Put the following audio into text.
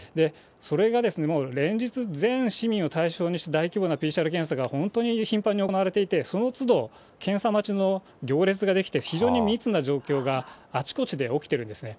それがもう、連日全市民を対象にして、大規模なＰＣＲ検査が本当に頻繁に行われていて、そのつど、検査待ちの行列が出来て、非常に密な状況があちこちで起きてるんですね。